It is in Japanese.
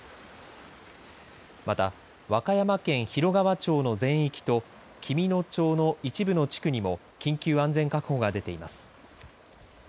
また和歌山県広川町の全域と紀美野町の一部の地区にも緊急安全確保がでています。